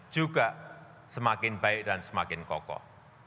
juga semakin baik dan semakin kokoh